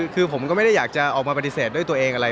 คือผมก็ไม่ได้อยากจะออกมาปฏิเสธด้วยตัวเองอะไร